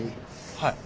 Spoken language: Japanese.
はい。